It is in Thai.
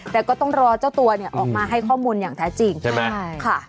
แต่ก็ต้องรอเจ้าตัวเนี่ยออกมาให้ข้อมูลอย่างแท้จริงใช่ไหมใช่ค่ะ